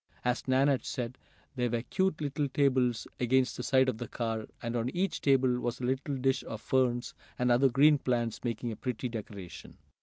As Nan had said, there were cute little tables against the side of the car, and on each table was a little dish of ferns, and other green plants, making a pretty decoration.